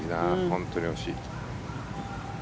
本当に惜しい。